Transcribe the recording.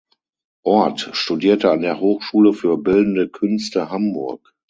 Orth studierte an der Hochschule für Bildende Künste Hamburg.